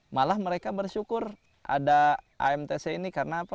malah mereka bersyukur ada amtc ini karena apa